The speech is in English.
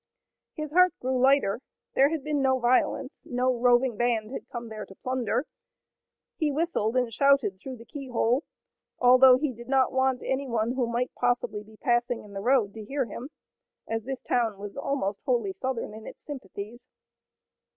His heart grew lighter. There had been no violence. No roving band had come there to plunder. He whistled and shouted through the keyhole, although he did not want anyone who might possibly be passing in the road to hear him, as this town was almost wholly Southern in its sympathies.